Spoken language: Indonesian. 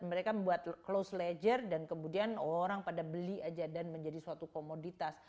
mereka buat closed ledger dan kemudian orang pada beli aja dan menjadi suatu komoditas